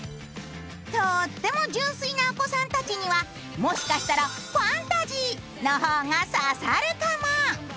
とっても純粋なお子さんたちにはもしかしたらファンタジーの方が刺さるかも。